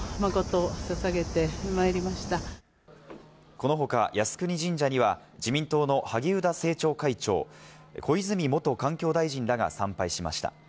この他、靖国神社には自民党の萩生田政調会長、小泉元環境大臣らが参拝しました。